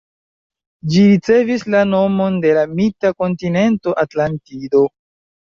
Ĝi ricevis la nomon de la mita kontinento Atlantido.